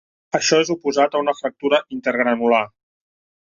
Això és oposat a una fractura intergranular.